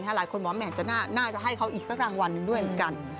หลายคนบอกว่าน่าจะให้เขาอีกสักรางวัลหนึ่งด้วยเหมือนกัน